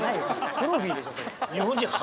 トロフィーでしょそれ。